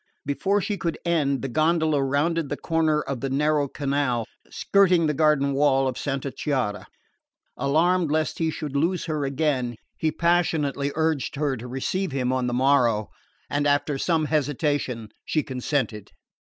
Before she could end, the gondola rounded the corner of the narrow canal skirting the garden wall of Santa Chiara. Alarmed lest he should lose her again he passionately urged her to receive him on the morrow; and after some hesitation she consented.